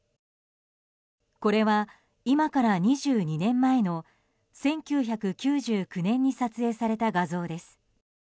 これは今から２２年前の１９９９年に撮影された画像です。